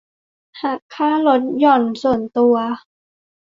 หักค่าลดหย่อนส่วนตัว